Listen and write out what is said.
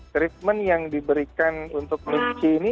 treatment yang diberikan untuk misi ini